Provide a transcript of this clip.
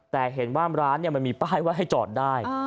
แต่เห็นว่าร้านมันมีป้ายว่าให้จอดได้